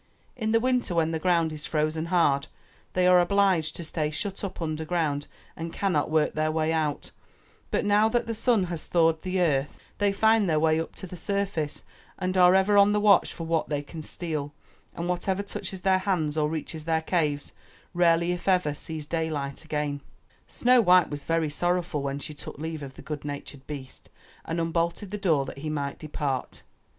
In the winter when the ground is frozen hard, they are obliged to stay shut up underground and cannot work their way out, but now that the sun has thawed the earth, they find. 39 MY BOOK HOUSE their way up to the surface and are ever on the watch for what they can steal, and whatever touches their hands or reaches their caves, rarely if ever sees daylight again," Snow white was very sorrowful when she took leave of the good natured beast and unbolted the door that he might depart.